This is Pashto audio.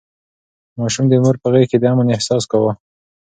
ماشوم د مور په غېږ کې د امن احساس کاوه.